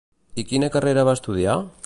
I quina carrera va estudiar?